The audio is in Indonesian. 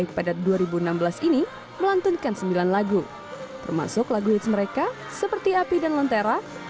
tepatkan rantaian pampel lendu nyalakan api dan lentera